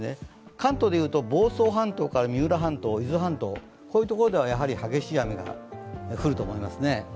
関東でいうと房総半島から三浦半島伊豆半島、こういうところでは激しい雨が降ると思います。